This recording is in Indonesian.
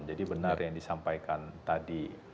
jadi benar yang disampaikan tadi